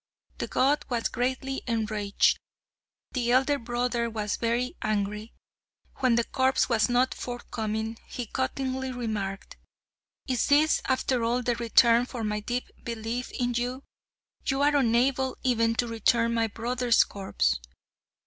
The god was greatly enraged. The elder brother was very angry. When the corpse was not forthcoming he cuttingly remarked, "Is this, after all, the return for my deep belief in you? You are unable even to return my brother's corpse."